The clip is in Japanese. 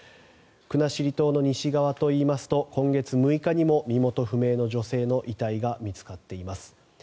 国後島の西側といいますと今月６日にも身元不明の女性の遺体が見つかっています。